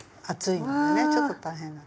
厚いのでねちょっと大変。